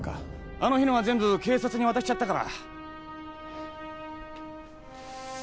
あの日のは全部警察に渡しちゃったから。